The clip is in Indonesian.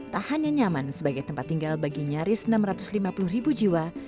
tak hanya nyaman sebagai tempat tinggal bagi nyaris enam ratus lima puluh ribu jiwa